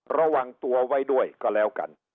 ระวังตัวไว้ด้วยก็แล้วกัน